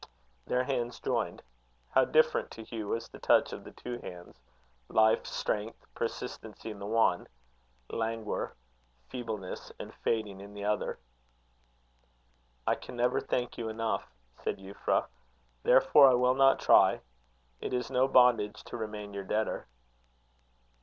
Their hands joined. How different to Hugh was the touch of the two hands! Life, strength, persistency in the one: languor, feebleness, and fading in the other. "I can never thank you enough," said Euphra; "therefore I will not try. It is no bondage to remain your debtor."